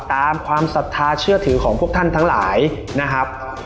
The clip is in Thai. ความศรัทธาเชื่อถือของพวกท่านทั้งหลายนะครับ